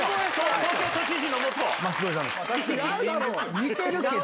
似てるけど！